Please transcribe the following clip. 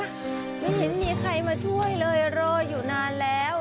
ไม่เห็นมีใครมาช่วยเลยรออยู่นานแล้ว